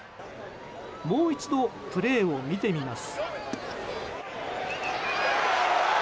もう一度、プレーを見てみます。